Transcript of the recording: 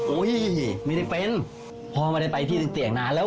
อุ้ยไม่ได้เป็นพ่อไม่ได้ไปที่เตียงนานแล้ว